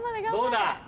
どうだ？